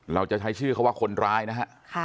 เราจะใช้ชื่อเขาว่าคนร้ายนะฮะ